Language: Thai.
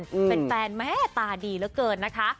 แฟนแฟนแม่ตาดีเหลือเกินนะคะ